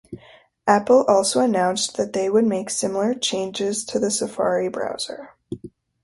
Apple also announced that they would make similar changes to their Safari browser.